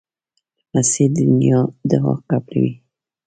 لمسی د نیا دعا قبلوي.